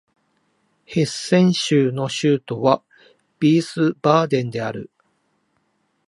ヘッセン州の州都はヴィースバーデンである